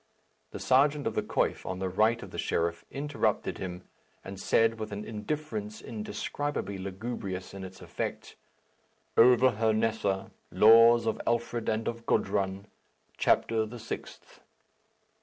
The serjeant of the coif on the right of the sheriff interrupted him, and said, with an indifference indescribably lugubrious in its effect, "Overhernessa. Laws of Alfred and of Godrun, chapter the sixth."